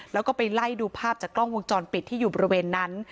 แล้วก็ไปไล่ดูภาพจากกล้องวงจรปิดที่อยู่บริเวณนั้น